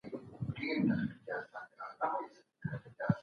تر راتلونکو څو کلونو پورې به موږ ټاکلي اقتصادي اهداف ترلاسه کړي وي.